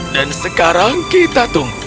dan sekarang kita tunggu